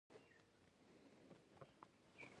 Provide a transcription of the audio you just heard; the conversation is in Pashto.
پاچا له اروپا څخه ته راغی.